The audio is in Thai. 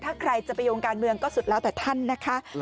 ถ้าใครจะไปโยงการเมืองก็สุดแล้วแต่ท่านนะคะ